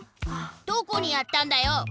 どこにやったんだよ！